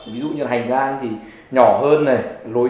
ví dụ như là hành giang thì nhỏ hơn này